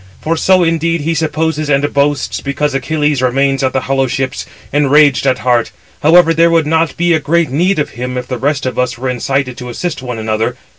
For so indeed he supposes and boasts, because Achilles remains at the hollow ships, enraged at heart. However, there would not be a great need of him, if the rest of us were incited to assist one another.